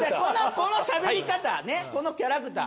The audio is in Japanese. このしゃべり方ねっこのキャラクター。